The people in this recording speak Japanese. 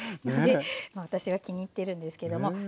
なんでまあ私が気に入ってるんですけども。